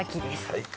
はい